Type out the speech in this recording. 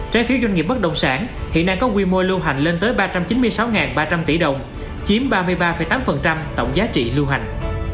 trái phiếu doanh nghiệp bất động sản hiện đang có quy mô lưu hành lên tới ba trăm chín mươi sáu ba trăm linh tỷ đồng chiếm ba mươi ba tám tổng giá trị lưu hành